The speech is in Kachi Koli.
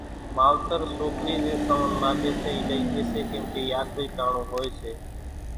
ماوتر سوڪرِي زين سامان ماڳي سي اِي لِي ڄي سي ڪيمڪي اِي آکرِي آڻون ھوئي سي